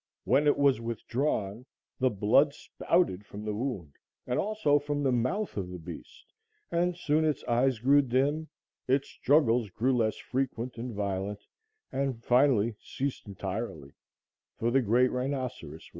When it was withdrawn, the blood spouted from the wound and also from the mouth of the beast, and soon its eyes grew dim, its struggles grew less frequent and violent, and finally ceased entirely, for the great rhinoceros was dead.